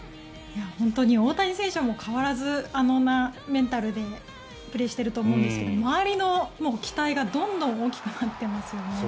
本当に大谷選手は変わらずのメンタルでプレーしていると思うんですが周りの期待がどんどん大きくなってますよね。